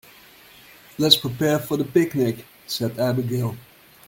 "Let's prepare for the picnic!", said Abigail.